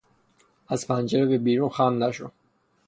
از پنجره به بیرون خم نشو!